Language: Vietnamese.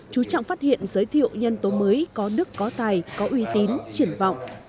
chú trọng phát hiện giới thiệu nhân tố mới có đức có tài có uy tín triển vọng